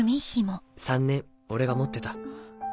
３年俺が持ってた。